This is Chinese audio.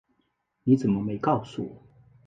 你怎么没告诉我